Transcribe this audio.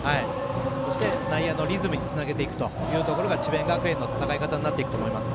そして、内野のリズムにつなげていくのが智弁学園の戦い方になっていくと思います。